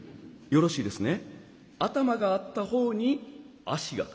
よろしいですね？